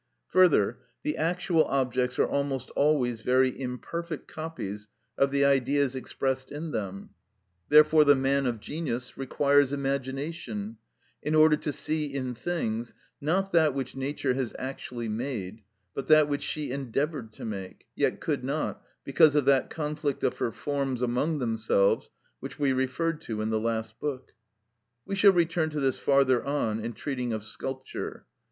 Further, the actual objects are almost always very imperfect copies of the Ideas expressed in them; therefore the man of genius requires imagination in order to see in things, not that which Nature has actually made, but that which she endeavoured to make, yet could not because of that conflict of her forms among themselves which we referred to in the last book. We shall return to this farther on in treating of sculpture.